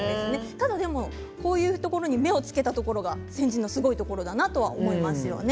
ただ、こういうところに目を付けたところが先人のすごいところだなとは思いますよね。